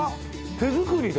手作りで？